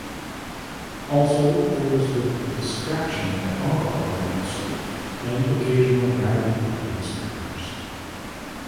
Also, there was the distraction of alcohol being served and occasional rowdy audience members.